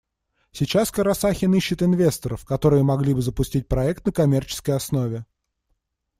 Сейчас Карасахин ищет инвесторов, которые могли бы запустить проект на коммерческой основе.